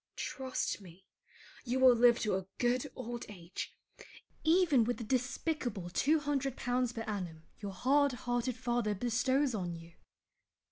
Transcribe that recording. Trust me, you will live to a good old age, even with the despicable 200l. per annum your hard hearted father bestows on you.